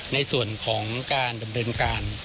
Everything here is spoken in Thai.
ในส่วนของการดำเนินการ